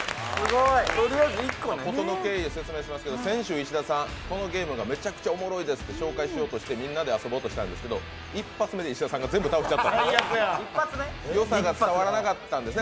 ことの経緯を説明しますけど先週、石田さん、このゲームがめちゃくちゃおもろいですって紹介しようとしてみんなで遊ぼうとしたんですけど、１発目で石田さんが全部倒してしまったんです。